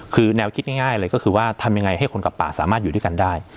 คือแนวคิดง่ายเลยก็คือว่าทำยังไงให้คนกับป่าสามารถอยู่ด้วยกันได้